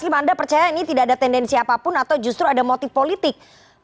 anda percaya ini tidak ada tendensi apapun atau justru ada motif politik